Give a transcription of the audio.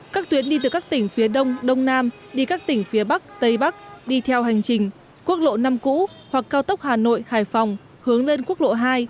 các tuyến đi từ các tỉnh phía đông đông nam đi các tỉnh phía bắc tây bắc đi theo hành trình quốc lộ năm cũ hoặc cao tốc hà nội hải phòng hướng lên quốc lộ hai